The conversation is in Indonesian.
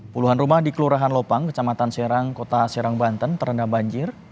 puluhan rumah di kelurahan lopang kecamatan serang kota serang banten terendam banjir